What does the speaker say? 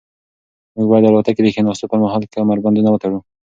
موږ باید د الوتکې د کښېناستو پر مهال کمربندونه وتړو.